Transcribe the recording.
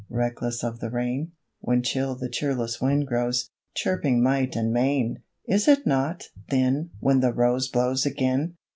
Reckless of the rain; When chill the cheerless wind grows, Chirping might and main! Is it naught, then, when the rose Blows again?